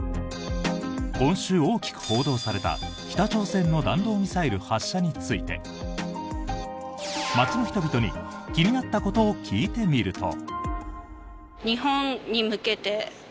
今週大きく報道された北朝鮮の弾道ミサイル発射について街の人々に気になったことを聞いてみると。